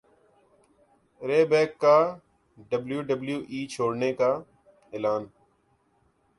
رے بیک کا ڈبلیو ڈبلیو ای چھوڑنے کا اعلان